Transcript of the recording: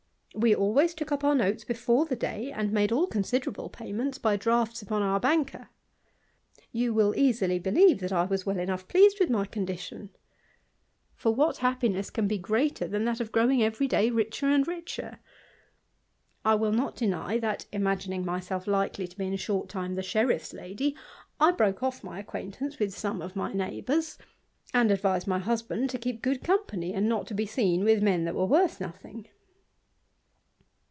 We always took up our notes ^ore the day, and made all considerable payments by . 1 Oughts upon our banker. '\ Vou will easily believe that I was well enough pleased ^th my condition ; for what happiness can be greater than * Note XXXI. , Appendix. 90 3o6 THE IDLER. that of growing every day richer and richer? \ will n deny that, imagining myself likely to be in a short time sheriffs lady, I broke ofif my acquaintance with some my neighbours; and advised my husband to keep company, and not to be seen with men that were wo: nothing.